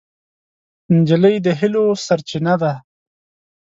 نجلۍ د هیلو سرچینه ده.